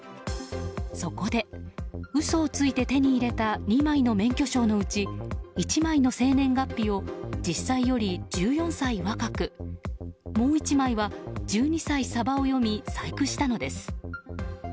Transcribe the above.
そこで嘘をついて手に入れた２枚の免許証のうち１枚の生年月日を実際より１４歳若くもう１枚は１２歳さばを読み、細工したのです。